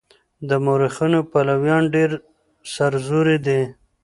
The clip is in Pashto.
د مورخينو پلويان ډېر سرزوري دي.